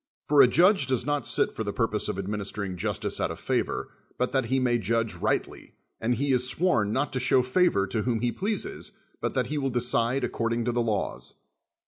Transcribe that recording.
For a judge does not sit for the purpose of administering justice out of favor, but that he may judge rightly, and he is sworn not to show favor to whom he pleases, hut that he will decide according to the laws.